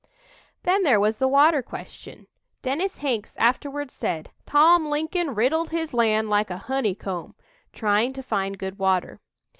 Then there was the water question. Dennis Hanks afterward said: "Tom Lincoln riddled his land like a honeycomb" trying to find good water.